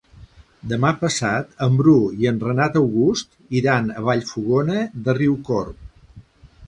Demà passat en Bru i en Renat August iran a Vallfogona de Riucorb.